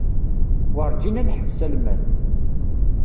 Werǧin ad naḥbes almad.